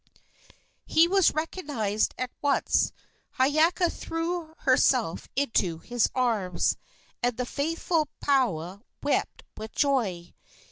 He was recognized at once. Hiiaka threw herself into his arms, and the faithful Paoa wept with joy.